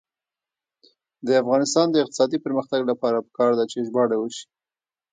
د افغانستان د اقتصادي پرمختګ لپاره پکار ده چې ژباړه وشي.